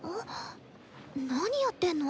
何やってんの？